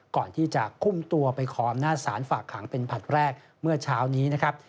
ก่อนที่จะคุมตัวไปขออำนาจศาลฝากขังเป็นผลัดแรกเมื่อเช้านี้นะครับ